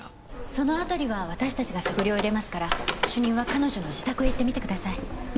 その辺りは私たちが探りを入れますから主任は彼女の自宅へ行ってみてください。